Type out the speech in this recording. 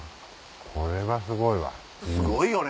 これはすごいわ。